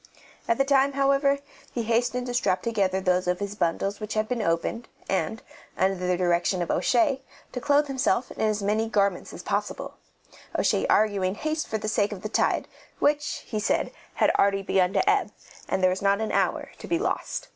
At the time, however, he hastened to strap together those of his bundles which had been opened, and, under the direction of O'Shea, to clothe himself in as many garments as possible, O'Shea arguing haste for the sake of the tide, which, he said, had already begun to ebb, and there was not an hour to be lost.